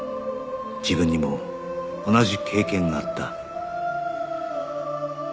自分にも同じ経験があった